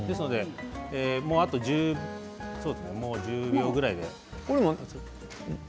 あと１０秒ぐらいですかね。